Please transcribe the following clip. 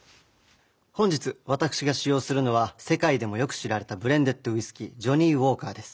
本日私が使用するのは世界でもよく知られたブレンデッドウイスキージョニーウォーカーです。